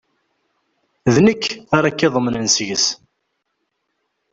D nekk ara k-iḍemnen deg-s.